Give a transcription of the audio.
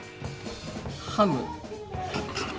「ハム」。